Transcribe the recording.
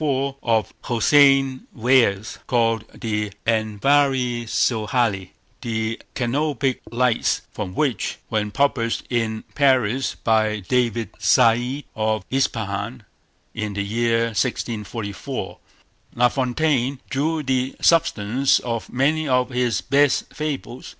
1494, of Hossein Vaez, called the Anvari Sohaïli, "the Canopic Lights"—from which, when published in Paris by David Sahid of Ispahan, in the year 1644, La Fontaine drew the substance of many of his best fables.